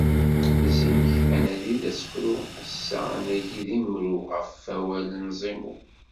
Zik, anagi d asefru, ass-a anagi d imru, ɣef wawal n Zimu.